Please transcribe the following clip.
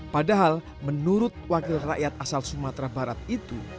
padahal menurut wakil rakyat asal sumatera barat itu